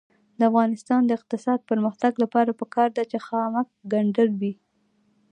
د افغانستان د اقتصادي پرمختګ لپاره پکار ده چې خامک ګنډل وي.